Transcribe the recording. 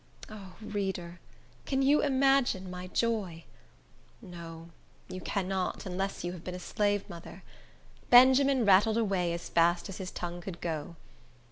O reader, can you imagine my joy? No, you cannot, unless you have been a slave mother. Benjamin rattled away as fast as his tongue could go.